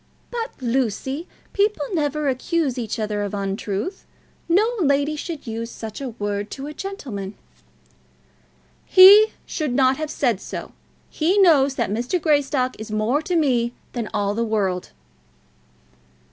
"But, Lucy, people never accuse each other of untruth. No lady should use such a word to a gentleman." "He should not have said so. He knows that Mr. Greystock is more to me than all the world."